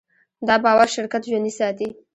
دا باور شرکت ژوندی ساتي.